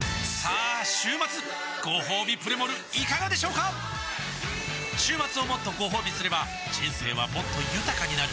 さあ週末ごほうびプレモルいかがでしょうか週末をもっとごほうびすれば人生はもっと豊かになる！